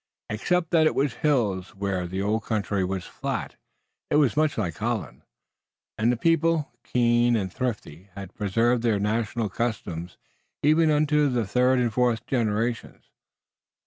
Except that it was hills where the old country was flat, it was much like Holland, and the people, keen and thrifty, had preserved their national customs even unto the third and fourth generations.